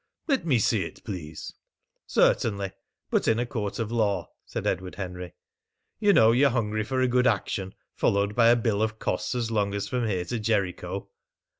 "Let me see it, please." "Certainly, but in a court of law," said Edward Henry. "You know you're hungry for a good action, followed by a bill of costs as long as from here to Jericho."